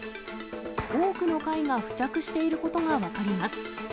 多くの貝が付着していることが分かります。